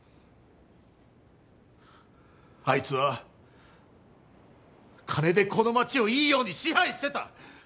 あいつは金でこの町をいいように支配してた！